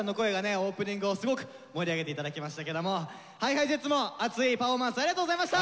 オープニングをすごく盛り上げていただきましたけどもＨｉＨｉＪｅｔｓも熱いパフォーマンスありがとうございました！